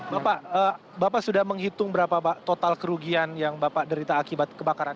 bapak bapak sudah menghitung berapa pak total kerugian yang bapak derita akibat kebakaran